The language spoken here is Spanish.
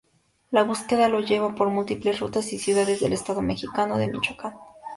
La búsqueda lo lleva por múltiples rutas y ciudades del estado mexicano de Michoacán.